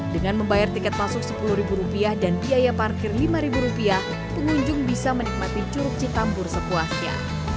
dengan membayar tiket masuk sepuluh rupiah dan biaya parkir lima rupiah pengunjung bisa menikmati curug citambur sepuasnya